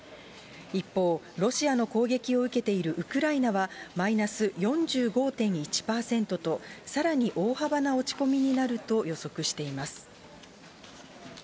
一方、ロシアの攻撃を受けているウクライナは、マイナス４５．１％と、さらに大幅な落ち込みになると予測しています。